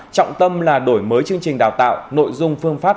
trọng tâm là đổi mới chương trình đào tạo nội dung phương pháp